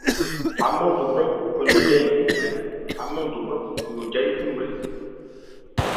Ámándo bhrɔ́khó khwɛn lo jayí khúúnbrɛn.